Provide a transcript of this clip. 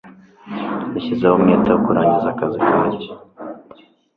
Nashyizeho umwete wo kurangiza akazi kanjye.